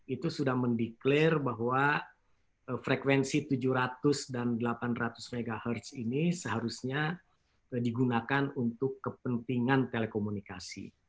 itu sudah mendeklarasi bahwa frekuensi tujuh ratus dan delapan ratus mhz ini seharusnya digunakan untuk kepentingan telekomunikasi